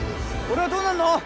俺はどうなるの？